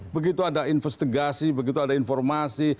begitu ada investigasi begitu ada informasi